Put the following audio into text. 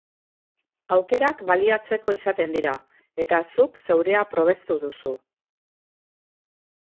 Aukerak baliatzeko izaten dira eta zuk zeurea probestu duzu.